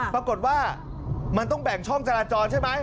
ปรากฏว่ามันต้องแบ่งช่องจราจรใช่ไหม